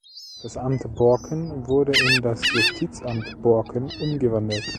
Das Amt Borken wurde in das Justizamt Borken umgewandelt.